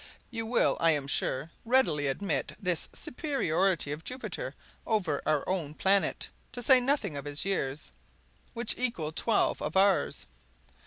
You will, I am sure, readily admit this superiority of Jupiter over our own planet, to say nothing of his years, which each equal twelve of ours!